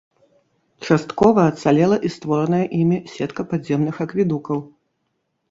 Часткова ацалела і створаная імі сетка падземных акведукаў.